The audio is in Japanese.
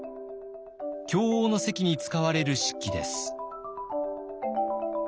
饗応の席に使われる漆器です。